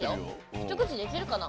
一口でいけるかな？